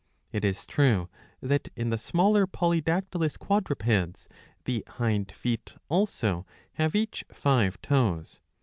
It is true that in the smaller polydactylous " quadrupeds the hind feet • also have each five toes.